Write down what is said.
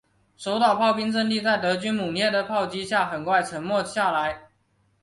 守岛炮兵阵地在德军猛烈的炮击下很快沉默下来。